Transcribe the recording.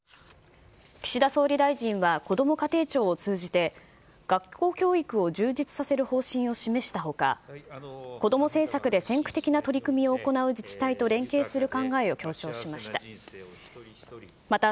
岸田総理大臣はこども家庭庁を通じて、学校教育を充実させる方針を示したほか、子ども政策で先駆的な取り組みを行う自治体と連携する考えを強調しました。